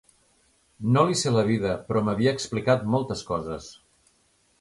No li sé la vida, però m'havia explicat moltes coses.